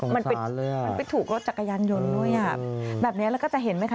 มันปิดถูกรถจักรยานยนต์ด้วยแบบนี้เราก็จะเห็นไหมคะ